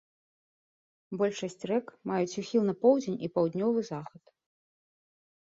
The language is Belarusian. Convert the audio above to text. Большасць рэк маюць ухіл на поўдзень і паўднёвы захад.